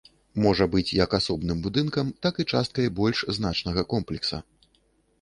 Можа быць як асобным будынкам, так і часткай больш значнага комплекса.